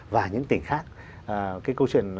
và những tỉnh khác cái câu chuyện